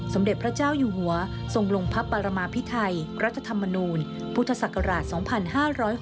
สมเด็จพระเจ้าอยู่หัวทรงลงพระปรมาพิไทยรัฐธรรมนูลพุทธศักราช๒๕๖๖